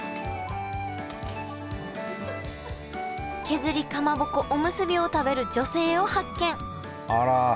削りかまぼこおむすびを食べる女性を発見あら！